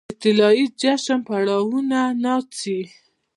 د طلايې جشن پرپلونو ناڅي